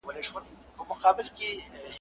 له قلمه مي زړه تور دی له کلامه ګیله من یم `